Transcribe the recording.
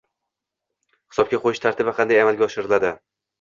hisobga qo‘yish tartibi qanday amalga oshiriladi?